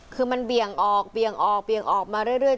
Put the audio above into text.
คือมันเบี่ยงออกเบี่ยงออกเบี่ยงออกมาเรื่อย